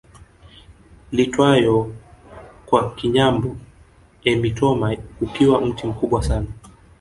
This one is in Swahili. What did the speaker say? Iitwayo kwa Kinyambo emitoma ukiwa mti mkubwa sana